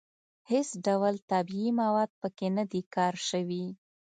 هېڅ ډول طبیعي مواد په کې نه دي کار شوي.